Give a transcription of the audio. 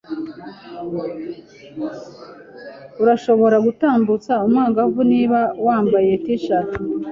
Urashobora gutambutsa umwangavu niba wambaye T-shirt.